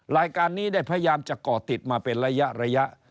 รายการนี้ได้พยายามจะก่อติดมาเป็นระยะ